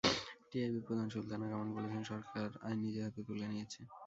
টিআইবির প্রধান সুলতানা কামাল বলেছেন, সরকার আইন নিজের হাতে তুলে নিয়েছে।